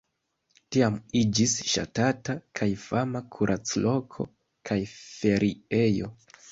Tiam iĝis ŝatata kaj fama kuracloko kaj feriejo.